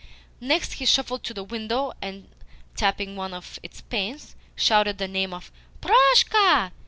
Next, he shuffled to the window, and, tapping one of its panes, shouted the name of "Proshka."